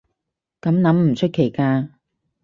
噉諗唔出奇㗎